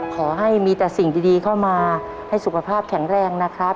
ขอให้มีแต่สิ่งดีเข้ามาให้สุขภาพแข็งแรงนะครับ